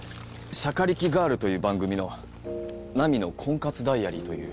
『しゃかりき×ガール』という番組の「ナミの婚活ダイアリー」という。